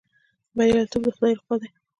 بریالیتوب د خدای لخوا دی